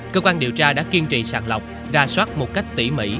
cơ quan điều tra đã kiên trì sàng lọc ra soát một cách tỉ mỉ